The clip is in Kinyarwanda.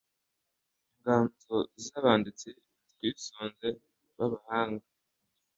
Inganzo z'Abanditsi twisunze babahanga